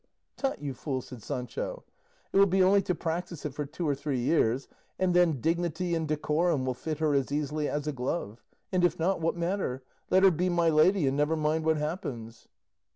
"Tut, you fool," said Sancho; "it will be only to practise it for two or three years; and then dignity and decorum will fit her as easily as a glove; and if not, what matter? Let her be 'my lady,' and never mind what happens."